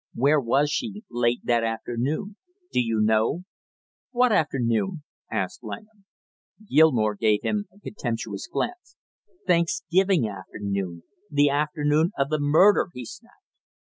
"Where was she late that afternoon, do you know?" "What afternoon?" asked Langham. Gilmore gave him a contemptuous glance. "Thanksgiving afternoon, the afternoon of the murder," he snapped.